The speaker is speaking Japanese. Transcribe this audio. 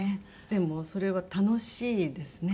でもそれは楽しいですね。